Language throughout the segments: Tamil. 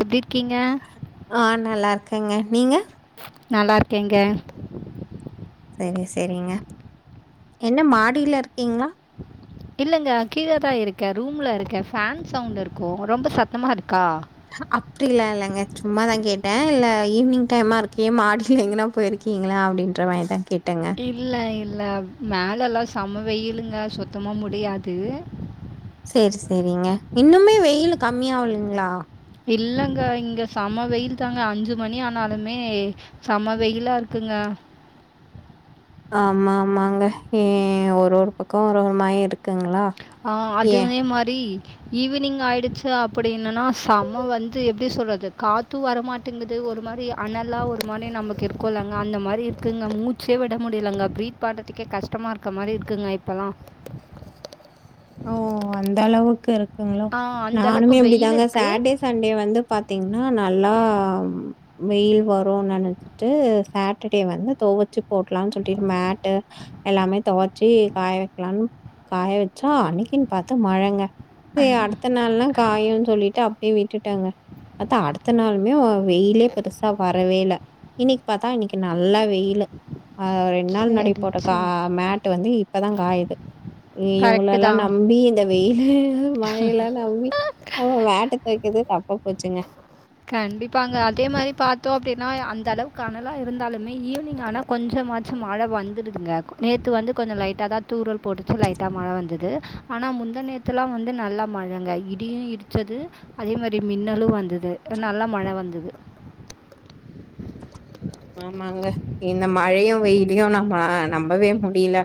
எப்டிருக்கீங்க ஆ நல்லா இருக்கேங்க நீங்க நல்லா இருக்கேங்க செரி செரிங்க என்ன மாடில இருக்கீங்ளா இல்லங்க கீழ தா இருக்க ரூமில்ல இருக்க ஃபேன் சவுண்ட் இருக்கும் ரொம்ப சத்தமா இருக்கா அப்டில்லா இல்லங்க சும்மா தா கேட்ட இல்ல ஈவினிங் டைமா இருக்கே மாடி எங்கன்னா போயிருக் இருக்கீங்களா அப்டின்ற மாரிதா கேட்டங்க இல்ல இல்ல மேலலா செம வெயிலுங்க சுத்தமா முடியாது சேரி சேரிங்க இன்னுமே வெயிலு கம்மியாவுலீங்களா இல்லங்க இங்க செம வெயில் தாங்க அஞ்சு மணி ஆனாலுமே செம்ம வெயிலா இருக்குங்க ஆமா ஆமாங்க ஏ ஒவ்வொரு பக்க ஒவ்வொரு மாரி இருக்குங்களா ஆ ஏன்? அதுவே மாரி ஈவினிங் ஆயிடுச்சு அப்டின்னன்னா செம வந்து எப்டி சொல்றது காத்து வரமாட்ட ட்டுங்கது ஒரு மாதிரி அனலா ஒரு மாதிரி நமக்கு இருக்கோலங்க அந்த மாதிரி இருக்குங்க மூச்சே விட முடிலங்க ப்ரீத் பாடுறதுக்கே கஷ்டமா இருக்க மாதிரி இருக்குங்க இப்பல்லா ஓ அந்த அளவுக்கு இருக்குங்கலா அந்த நானுமே அளவுக்கு வெயில் அப்டிதாங்க சாட்ட்டே இருக்குது சண்டே வந்து பாத்தீங்கன்னா நல்லா வெயில் வரும்னு நெனைச்சிட்டு சாட்டர்டே வந்து துவுவச்சு போட்டலாம்னு சொல்லிட்டு மேட்டு எல்லாமே துவச்சி காய வைக்கலாம்னு காய வச்ச அன்னிக்குன்னு பார்த்து மழங்க அடுத்த நாள்ல்லா காயம்னு சொல்லிட்டு அப்டியே விட்டுட்டங்க பாத்தா அடுத்த நாளுுமே வெயிலே பெருசா வரவேல இன்னிக்கு பார்த்தா இன்னிக்கு நல்லா வெயில் ஆஹ் ரெண்டு நாள் முன்னாடி சரி போட்ட கா சரி மேட்டு வந்து இப்பதா காயுது இவங்க கரெக்டு எல்லா தான் நம்பி இந்த வெயில் மழையிலல்லா மேட்ட துவக்கறதே தப்பா போச்சுங்க கண்டிப்பாங்க அதே மாதிரி பார்த்தோ அப்டின்னா அந்த அளவுக்கு அனல்லா இருந்தாலுமே ஈவினிங் ஆனா கொஞ்சமாச்சு மழ வந்துடுதுங்க நேற்று வந்து கொஞ்ச லைட்டா தா தூறல் போட்டுச்சு லைட்டா மழ வந்தது ஆனா முந்த நேரத்துலா வந்து நல்லா மழங்க இடியும் இடிச்சதது அதே மாதிரி மின்னலும் வந்தது நல்லா மழ வந்தது ஆமாங்க இந்த மழயும் வெயிலயு நம்ம நம்பவே முடியல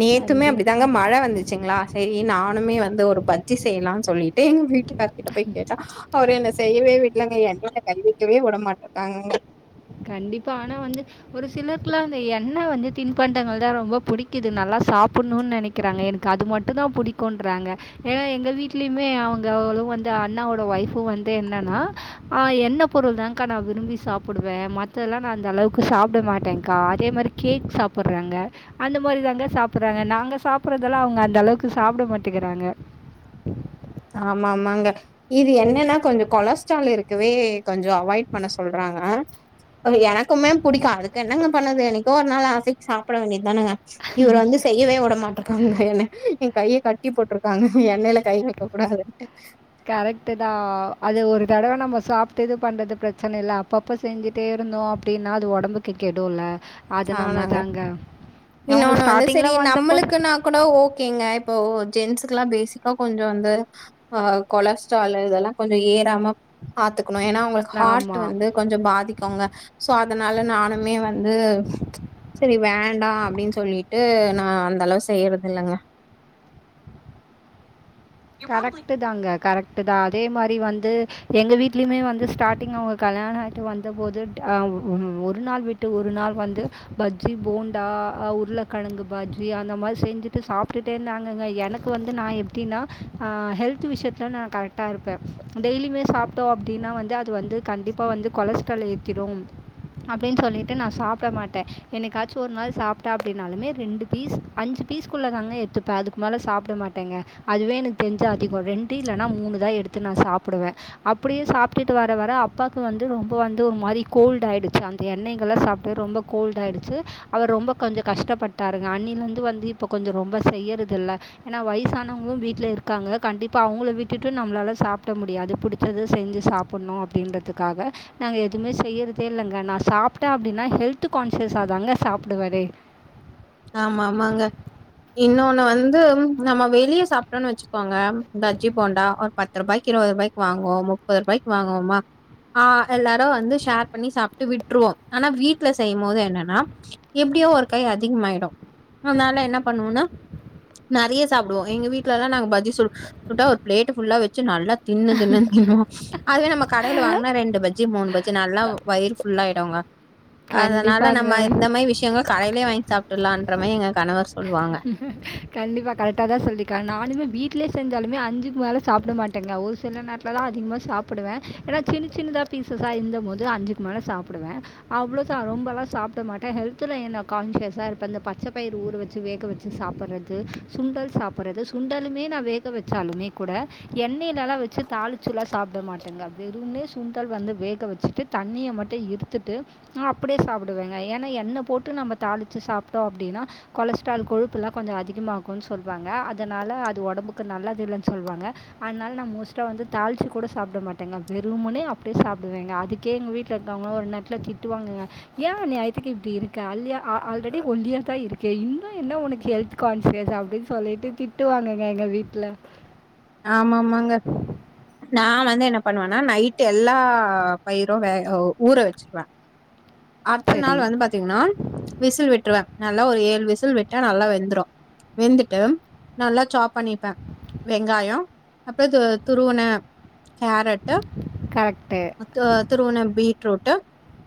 நேத்துமே அப்டித்தாங்க கண்டிப்பா. மழ வந்துச்சுங்களா சரி நானுமே வந்து ஒரு பஜ்ஜி செய்யலாம்னு சொல்லிட்டு எங்க வீட்டுக்கார கிட்ட போய் கேட்ட அவரு என்ன செய்யவே வீட்டுலங்க என்னங்க கண்டுக்கவே விடமாட்டாங்க கண்டிப்பா ஆனா வந்து ஒரு சிலருக்குலா அந்த எ வந்து தின்பண்டங்கள் தா ரொம்ப பிடிக்குது நல்லா சாப்டணும்னு நெனைக்கிறாங்க எனக்கு அது மட்டு ம தா புடிக்கும்ன்றாங்க ஏன்னா எங்க வீடலயுமே அவங்க அவ்ளோ வந்து அண்ணாவோட ஒய்ஃப் யு வந்து என்னன்னா என்ன பொருள்்தானக்கா நா விரும்பி சாப்டுவ மத்தெல்லா நா அந்த அளவுக்கு சாப்ட மாட்டங்க்கா அதே மாதிரி கேக் சா புட்றாங்க அந்த மாரி தாங்க சாப்பிட்றாங்க நாங்க சாப்பிட்றதெல்லா அவ்ங்க அந்தளவுக்கு சாப்ட மாட்டிக்கிறாங்க ஆமாமாங்க இது என்னன்னா கொஞ்சோ கொலஸ்ட்ரால் இருக்கவே கொஞ்சோ அவாய்ட் பண்ண சொல்றாங்க அது எனக்குமே புடிக்கு அதுக்கு என்னங்க பண்ணற்து என்னைக்கோ ஒரு நாள் ஆசைக் சாப்பட வேண்டியதானுங்க இவுர் வந்து செய்யவே விட மாட்டக்காங்க என்ன எங்கைய கட்டி போட்ருக்காங்க எண்ணைல கை வெக் க கூடாதுன்ட்டு கரெக்ட்டு தா அது ஒரு தடவ நம்ம சாப்ட்டு இது பண்றது பிரச்சன இல்ல அப்பப் ப செஞ்சுட்டே இருந்தோ அப்டினா அது ஒடம்புக்கு கெடுல்ல ஆமாங்க அவங்க இன்னோன்னு வந்து ஸ்டார்ட்டிங்ல செரி வந்தபோது நம்மளுக்கு நா கூட ஓகேங்க இப்போ ஜென்ஸுக்கெல்லா பேசிக்கா கொஞ்சோ வந்து ஆ கொலஸ்ட்ரால் இதெல்லா கொஞ்ச ஏறாம பாத்துக்கணும் ஏன்னா அவங்க ஹார்ட் ஆமா. வந்து கொஞ்ச பாதிக்கோங்க சோ அதனால நானுமே வந்து சேரி வேண்டா அப்டின்னு சொல்லிட்டு நா அந்த அளவு செய்யறது இல்லங்க கரெக்ட் தாங்க கரெக்ட்தா அதே மாதிரி வந்து எங்க வீட்லயுமே வந்து ஸ்டார்டிங் அவங்க கல்யாணோ ஆய்ட்டு வந்தபோது அ ம் ஒரு நாள் விட்டு ஒரு நாள் வந்து ப ஜ்ஜி, போண்டா அ உர்ளக்கெழங்கு பஜ்ஜி அந்த மாரி செஞ்சுட்டு சாப்ட்டுட்டே இருந்தாங்கங்க எனக் கு வந்து நா எப்டினா அ ஹெல்த்து விஷ்யத்துல நா கரெக்டா இருப்பே டெய்லியுமே சாப்ட்டோ அப்டினா வந்து அது வந்து கண்டிப்பா வந்து கொலஸ்ட்ரால் ஏத்திரு அப்டின் சொல்லிட்டு நா சாப்ட மாட்டே என்னைக்காச்சு ஒரு நாள் சாப்ட்டே அப்டின்னாலுமே ரெண்டு பீஸ் அஞ்சு பீஸ்க்குள்ளதாங்க எடுத்துப்பே அதுக் மேல சாப்ட மாட்டேங்க அதுவே எனக் தெர்ஞ்சு அதிகோ ரெண்டு இல்லனா மூணு தா எடுத்து நா சாப்புடுவே அப்பிடியே சாப்ட்டுட்டு வர வர அப்பாக்கு வந்து ரொம்ப வந்து ஒரு மாரி கோல்டு ஆய்டுச்சு அந்த எண்ணைங்கல்லா சாப்ட்டு ரொம்ப கோல்ட் ஆய்டுச்சு அவுர் ரொம்ப கொஞ்சோ கஷ்டப்பட்டாருங்க அன்னைலிர்ந்து வந்து இப்ப கொஞ்சோ ரொம்ப செய்யறதில்ல ஏனா வய்சா னவ்ங்க வீட்ல இருக்காங்க கண்டிப்பா அவுங்கள விட்டுட்டு நம்ளால சாப்ட முடியாது புடிச்சது செஞ்சு சாப்புட்ணு அப்டின்றத்துக்காக நாங்க எதுமே செய்யறதே இல்லங்க நா சாப்ட்டே அப்டினா ஹெல்த்து கான்சியஸா தாங்க சாப்டுவறே ஆமாமாங்க இன்னோன்னு வந்து நம்ம வெளிய சாப்ட்டோன் வெச்சுக்கோங்க பஜ்ஜி போண்டா ஒரு பத்துருபாய்க்கு இருவதுருபாய்க் வாங்குவோ ஒரு முப்பதுருபாய்க் வாங்குவோமா வாங்குவோமா ஆ எல்லாரு வந்து ஷேர் பண்ணி சாப்ட்டு விட்ருவோ ஆனா வீட்ல செய்யுமோது என்னன்னா எப்டியு ஒரு கை அதிக்மாய்டு அத்னால என்ன பண்ணுவோனா நெறைய சாப்டுவோ எங்க வீட்லல்லா நாங் பஜ்ஜி சு சுட்டா ஒரு ப்ளேட்டு ஃபுல்லா வெச்சு நல்லா தின்னு தின்னுன் தின்னுவோ அதுவே நம்ம ‌கடைல வாங்னா ரெண்டு பஜ்ஜி மூணு பஜ்ஜி நல்லா வயிறு ‌ஃபுல்லாய்டுங்க அதனால கண்டிப்பாங்க நம்ம இந்த மாரி விஷ்யங்கள கடைலயே வாய்ங் சாப்ட்டர்லான்ற மாரி எங்க கணவர் சொல்லுவாங்க கண்டிப்பா கரெக்ட்டா தா சொல்லிருக்காங் நானுமே வீட்லே செஞ்சாலுமே அஞ்சுக் மேல சாப்பட மாட்டேங்க ஒரு சில நேரத் துலல்லா அதிகமா சாப்புடுவே ஏனா சின்ன சின்னதா பீஸஸ்சா இருந்தமோது அஞ்சுக் மேல சாப்புடுவே அவ்ளோதா ரொம்பல்லா சாப்ட மாட்டே ஹெல்த்துலயே நா கான்சியஸ்ஸா இருப்பே இந்த பச்ச பயிறு ஊறு வெச் சு வேக வெச்சு சாப்பட்றது சுண்டல் சாப்பட்றது சுண்டலுமே நா வேக வெச்சாலுமே கூட எண்ணைலல்லா‌ வெச்சு தாளிச்சுல்லா‌ சாப்ட மாட்டேங்க வெறும்னே சுண்டல் வந்து வேக வெச்சிட்டு தண்ணிய‌ மட்டு இருத்துட்டு நா அப்டியே சாப்புடுவேங்க ஏனா எண்ண போட்டு நம்ம தாளிச்சு சாப்ட்டோ அப்டினா கொலஸ்ட்ரால் கொழுப்புல்லா கொஞ்சோ அதிகமாகுன் சொல்வாங்க அதனால அது ஒடம்புக்கு நல்லதில்லன் சொல்வாங்க அன்னால் நா மோஸ்ட்டா வந்து தாள்ச்சு கூட சாப்ட மாட்டேங்க வெறும்முனே அப்டியே சாப்டுவேங்க அதுக் கே எங்க வீட்லருக்கறவ்ங்கல்லா ஒரு நேரத்துல திட்டுவாங்கங்க ஏ அநியாயத்துக்கு இப்டி இருக்க அல்லியா அ ஆல்ரெடி ஒல்லியா தா இருக் கே இன்னு என்ன உனக்கு ஹெல்த்து கான்சியஸ் அப்டின் சொல்லிட்டு திட்டுவாங்கங்க எங்க வீட்ல ஆமா ஆமாங்க நா வந்து என்ன பண்ணுவேணா நைட்டு எல்லா பயிரு வேக ஊற வச்சிருவே அடுத்த சரி நாள் வந்து பாத்தீங்கனா விசில் விட்டுருவே‌ நல்லா ஒரு ஏழு விசில் விட்டா நல்லா வெந்துரு வெந்துட்டு நல்லா சாப் பண்ணிப்பே வெங்காயோ அப்புறோ து துருவுன கேரட்டு கரெக்ட்டு ம் து துருவுன பீட்ரூட்டு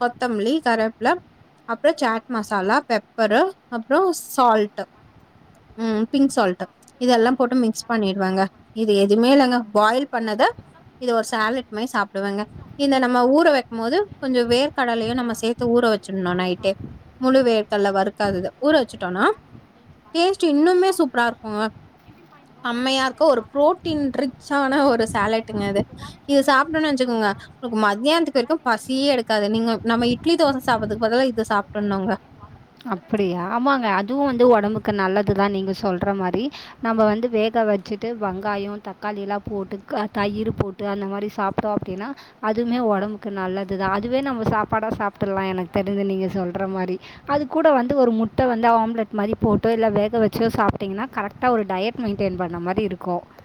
கொத்தம்பிலி கருவேப்பில அப்புறோ சேட் மசாலா பெப்பரு அப்புறோ சால்ட்டு ம் பிங்க் சால்ட்டு இதெல்லா போட்டு மிக்ஸ் பண்ணிடுவேங்க இது எதுவுமே இல்லங்க பாயில் பண்ணத இது ஒரு சாலட் மாரி சாப்பிடுவேங்க இந்த நம்ம ஊற வைக்கு போது கொஞ்சோ வேர்க்கடலையு நம்ம சேர்த் து ஊற வச்சு இன்னோ நைட்டே முழு வேர்க்கடல வறுக்காதது ஊற வச்சுட்டோம்னா டேஸ்ட் இன்னுமே சூப்பரா இருக்குங்க அம்மையா இருக்க ஒரு புரோட்டீன் ரிச்சான ஒரு சேலட்டுங்க அது இது சாப்பிட்டோனு வச்சிக்கோங்க ஒங்களுக்கு மத்தியானத்துக்கு வரைக்கு பசியே எடுக்காது நீங்க நம்ம இட்லி தோச சாப்பிடறதுக்கு பதிலா இத சாப்ட்றனுங்க அப்டியா ஆமாங்க அதுவு வந்து ஒடம்புக்கு நல்லதுதா நீங்க சொல்ற மாரி நம்ம வந்து வேக வச்சுட்டு வங்காயோ தக்காளி எல்லா போட்டுக்க தயிரு போட் அந்த மாரி சாப்ட்டோ அப்டினா அதுவுமே ஒடம்புக்கு நல்லதுதா அதுவுமே நம்ம சாப்பாடா சாப்டறலா எனக்கு தெரிஞ்சு நீங்க சொல்ற மாரி அது கூட வந்து ஒரு முட்ட வந்து ஆம்லெட் மாரி போட்டு இல்ல வேக வச்சோ சாப்ட்டிங்கனா கரெக்டா ஒரு டயட் மெயின்டெய்ன் பண்ண மாரி இருக்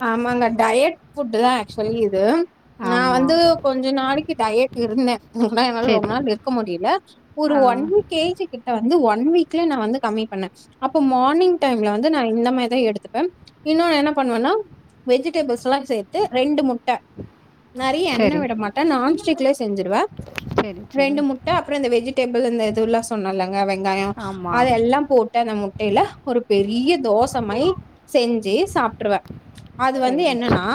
ஆமாங்க டயட் ஃபுட்டு தா ஆக்சுவலி இது நா ஆமா. வந்து கொஞ்ச நாளைக்கி டயட் இருந்தே ஆனா என்னால ரொம்ப சரி. நாள் இருக் க்க முடியல ஒரு ஆ. ஒன் கே ஜி கிட் ட்ட வந்து ஒன் வீக்லயே நா வந்து கம்மி பண்ணே அப்ப மார்னிங் டைம்ல வந்து நா இந்த மாரி தா எடுத்துப்பே இன்னு என்ன பண்ணுவேனா வெஜிடபிள்ஸ்லா சேர்த்து ரெண்டு முட்ட நெறையா எண்ணெ சரி. விட மாட்டே நா நான்ஸ்டிக்லயே செஞ்சுடுவே சரி, சரி. ரெண்டு முட்ட அப்புறோ இந்த வெஜிடபிள் இந்த இதுலா ம் நல்லங்கா வெங்காயோ ஆமா. அத எல்லா போட் டு அந்த முட்டையில ஒரு பெரிய தோசமயி செஞ்சு சாப்ட்ருவே அது வந்து சரி, என்னன்னா சரி.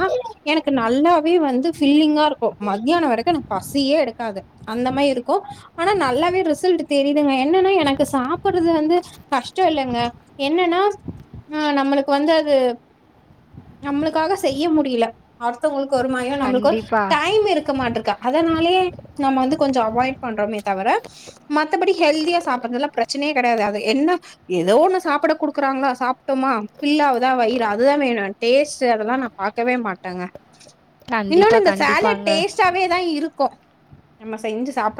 எனக்கு நல்லாவே வந்து ஃபில்லிங்கா இருக்கு மத்தியானோ வரைக்கு எனக்கு பசியே எடுக்காது அந்த மாரி இருக்கு ஆனா நல்லாவே ரிசல்ட் தெரியுதுங்க என்னன்னா எனக்கு சாப்பிடுறது வந்து கஷ்டோ இல்லங்க என்னன்னா ஆ நம்மளுக்கு வந்து அது நம்மளுக்காக செய்ய முடியல அடுத்தவுங்களுக்கு ஒரு மாயோ நம்மளுக்கு ஒரு கண்டிப்பா. டைம் இருக்க மாட்டுக்க அதனாலயே நம்ம வந்து கொஞ்சோ அவாய்ட் பண்றோமே தவிர மத்தபடி ஹெல்தியா சாப்பிடறதுல்லா பிரச்சனையே கெடையாது அது என்ன எதோ ஒன்னு சாப்பிட குடுக்குறாங்களா சாப்ட்டோமா பில்லாவதா வயிறு அதுதா வேணு டேஸ்ட்டு அதெல்லா நா பாக்கவே மாட்டேங்க கண்டிப்பா, இன்னொன்னு இந்த சாலட் கண்டிப்பாங்க. டேஸ்ட் ச்சாவே தா இருக்கு நம்ம செஞ்சு சாப்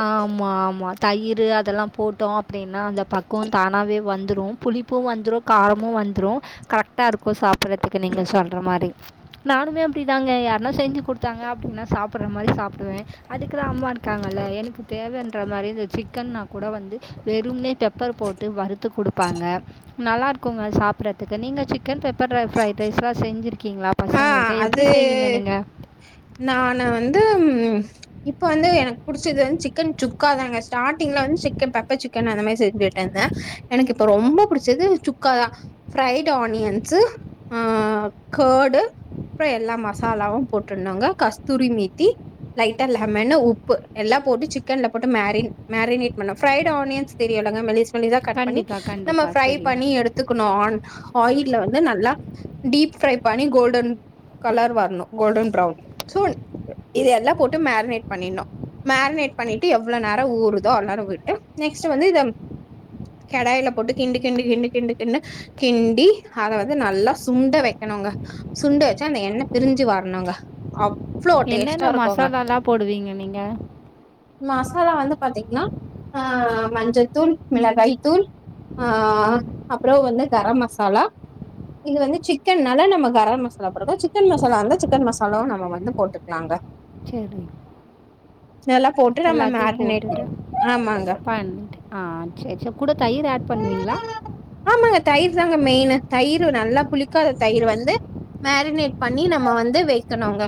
ஆ ஆமா ஆமா தயிரு அதெல்லா போட்டோ அப்டினா அந்த பக்கோ தானாவே வந்துரு புளிப்பு வந்துரு காரமு வந்துரு கரெக்டா இருக்கு சாப்பிடுறதுக்கு நீங்க சொல்ற மாரி நானுமே அப்டிதாங்க யாருனா செஞ்சு குடுத்தாங்க அப்டினா சாப்பிடுடற மாரி சாப்டுவே அதுக்குதா அம்மா இருக்காங் நல்லா எனக்கு தேவன்ற மாதிரி இந்த சிக்கன்னா கூட வந்து வெறுமனே பெப்பர் போட்டு வறுத்து குடுப் பாங்க நல்லா இருக்குங்க சாப்ட்றதுக்கு நீங்க சிக்கன் பெப்பர் ட்ற ஃப்ரைட் ரைஸ்லா செஞ்சிருக்கீங்ளா அ அது நானு வந்து ம் இப்ப வந்து எனக்கு புடுச்சது வந்து சிக்கன் சுக்கா தாங்க ஸ்டாட்டிங்ல வந்து சிக்கன் பெப்பர் சிக்கன் அந்த மாரி செஞ்சுட்டேங்க எனக்கு இப்ப ரொம்ப புடுச்சது சுக்காதா ஃப்ரைடு ஆனியன்ஸு அ கர்டு அப்றொ எல்லா மசாலாவு போட்டுட்னுங்க கஸ்தூரி மேத்தி லைட்டா லெமனு உப்பு எல்லா போட்டு சிக்கன்ல போட்டு மேரி மேரினேட் பண்ணு ஃப்ரைடு ஆனியன்ஸ் தெரியலங்க மெலிஸ் மெலிசா கட் பண்ணி கண்டிப்பாக நம்ம கண்டிப்பாக ஃப்ரை தெரியும் பண்ணி எடுத் துக்கணு ஆன் ஆயில்ல வந்து நல்லா டீப் ஃப்ரை பண்ணி கோல்டன் கலர் வர்ணு கோல்டன் ப்ரவ்ன் சோ இது எல்லா போட்டு மேரினேட் பண்ணிர்னு மேரினேட் பண்ணிட்டு எவ்ளோ நேரொ ஊறுதோ அவ்ள் நேரொ விட்டு நெக்ஸ்ட்டு வந்து இத கடாய்ல போட்டு கிண்டு கிண்டு கிண்டு கிண்டு கின்னு கிண்டி அத வந்து நல்லா சுண்ட வெக்கணுங்க சுண்டு ஞ்சோ அந்த எண்ண பிரிஞ்சு வரனுங்க என்னென்ன மசாலால்லா போடுவீங்க நீங்க மசாலா வந்து பாத்திங்கன்னா ஆ மஞ்சத்தூள் மிளகாய்த்தூள் ஆ அப்றொ வந்து கரம் மசாலா இது வந்து சிக்கன்னால நம்ம கரம் மசா நல்லா போட்ருக்க சிக்கன் மசாலா வந்து சிக்கன் மசாலாவு நம்ம வந்து போட்டுக்லாங்க செரி நல்லா போட்டு நம்ம மேரிநேட்டிங் பண்ணிட் ஆ சேர் சேர் கூட தயிர் ஆட் பண்ணுவீங்களா ஆமாங்க தயிர் தாங்க மெயினு தயிர் நல்லா புளிக்காத தயிர் வந்து மேரினேட் பண்ணி நம்ம வந்து வெய்க்கணுங்க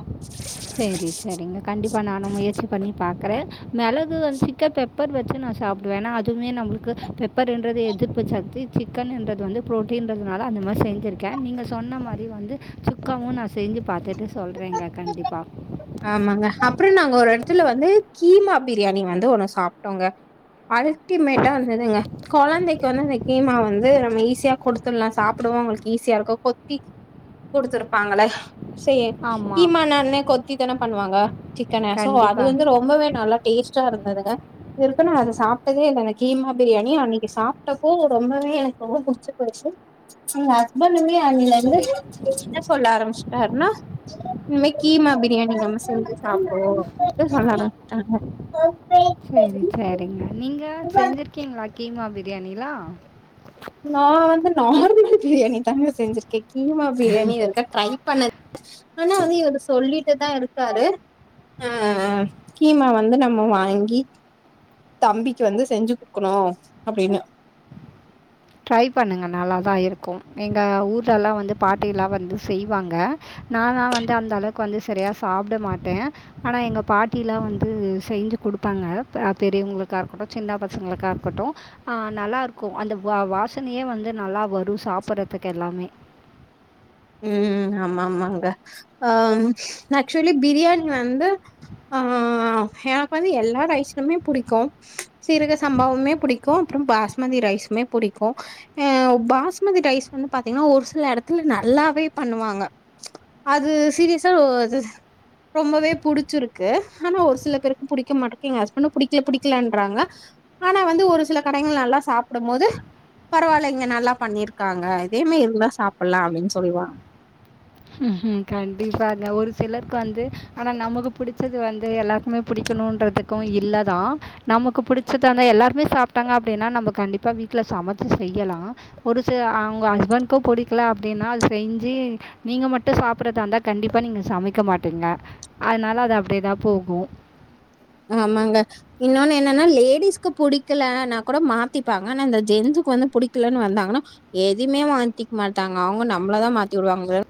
சேரி சேரிங்க கண்டிப்பா நானு முயற்சி பண்ணி பாக்குறே மெளகு வந் சிக்கன் பெப் பெப்பர் வச்சு நா சாப்டுவே ஏனா அதுவுமே நம்ப்ளுக்கு பெப்பருன்றது எதிர்ப்பு சத்தி சிக்கனுன்றது வந்து ப்ரோட்டீன்றதுனால அந்த மாரி செஞ்சுருக்கே நீங்க சொன்ன மாரி வந்து சுக்காவு நா செஞ்சு பாத்துட்டு சொல்றேங்க கண்டிப்பா ஆமாங்க அப்றொ நாங்க ஒரு எடத்துல வந்து கீமா பிரியாணி வந்து ஒன்னு சாப்ட்டோங்க அல்டிமேட்டா இருந்ததுங்க கொழந்தை இப்ப வந்து அந்த கீமா வந்து நம்ம ஈஸியா கொடுத்துட்லா சாப்புடவு அவுங்களுக் ஈஸியா இருக்கு கொத்தி குடுத்துருப்பாங்கள சே ஆமாம் கீமானா என்ன கொத்தி தான பண்ணுவாங்க சிக்கன சோ அது கண்டிப்பாக வந்து ரொ ரொம்பவே நல்லா டேஸ்ட்டா இருந்ததுங்க இதுவ்ருக்கு நா அத சாப்ட்டதே இல்லங்க கீமா பிரியாணி அன்னக்கி சாப்ட்டப்போ ரொம்பவே எனக்கு ரொம்ப புடுச்சு போச்சு எங்க ஹஸ்பண்டுமே அதுல இருந்து என்ன சொல்ல ஆரம்பிச்ட்டாருனா இன்மே கீமா பிரியாணி நம்ம செஞ்சு சாப்டுவோ அப்டி சொல்ல ஆரமிச்ட்டாங்க சஸரி சேரி சேரிங்க நீங்க செஞ்சிருக்கீங்களா கீமா பிரியாணிலா நா வந்து நார்மல் பிரியாணி தாங்க செஞ்சிருக்கே கீமா பிரியாணி இது வருக்கு ட்ரை பண்ணது ஆனா அது இவரு சொல்லிட்டுதா இருக்காரு அ கீமா வந்து நம்ம வாங்கி தம்பிக்கு வந்து செஞ்சு குடுக்குணு அப்டின்னு ட்ரை பண்ணுங்க நல்லா தா இருக்கு எங்க ஊர்லலா வந்து பாட்டில்லா வந்து செய்வாங்க நானா வந்து அந்த அளவுக்கு வந்து சரியா சாப்ட மாட்டே ஆனா எங்க பாட்டிலா வந்து செஞ்சு குடுப்பாங்க அ பெரியவங்களுக்கா இருக்கட்டு சின்ன பசங்களுக்கா இருக்கட்டு ஆ நல்லாருக்கு அந்த வா வாசனையே வந்து நல்லா வரு சாப்பறதுக்கு எல்லாமே ம் ஆமாமாங்க அம் நா ஆக்சுவலி பிரியாணி வந்து ஆ எனக்கு வந்து எல்லா ரைஸ்லுமே புடிக்கு சீரக சம்பாவுமே புடிக்கு அப்பறம் பாஸ்மதி ரைஸ் மே புடிக்கு அ பாஸ்மதி ரைஸ் வந்து பாத்தீங்னா ஒரு சில எடத்துல ந ல்லாவே பண்ணுவாங்க அது சீரியஸா அது ரொம்பவே புடிச்சிருக்கு ஆனா ஒரு சில பேருக்கு புடிக்க மாட்டக்கு எங்க ஹஸ்பண்டு புடிக்கல புடிக்கலன்றாங்க ஆனா வந்து ஒரு சில கடைங்கள் நல்லா சாப்டும் போது பரவால்லங்க நல்லா பண்ணிருக்காங்க இதேமே இருந்தா சாப்பல்லா அப்டின் சொல்வாங் கண்டிப்பாங்க ஒரு சிலருக்கு வந்து ஆனா நமக்கு புடிச்சது வந்து எல்லாருக்குமே புடிக்கணுன்றது க்கு இல்லதா நமக்கு புடுச்சதான எல்லாருமே சாப்ட்டாங்க அப்டின்னா நம்ம கண்டிப்பா வீட்ல சமைச்சு செய்யலா ஒரு சு அவுங்க ஹஸ்பண்ட்க்கு புடிக்கல அப்டின்னா அது செஞ்சு நீங்க மட்டு சாப்பறதாந்தா கண்டிப்பா நீங்க சமைக்க மாட்டீங்க அதனால அது அப்டியே தா போகு ஆமாங்க இன்னொன்னு என்னன்னா லேடிஸ்க்கு புடிக்கலன்னா கூட மாத்திப்பாங்க ஆனா இந்த ஜென்ஸுக்கு வந்து புடிக்கலன் வந்தாங்னா எதுமே மாத்திக் மாட்டாங்க அவுங்க நம்மளதா மாத்தி விடுவாங்ளே த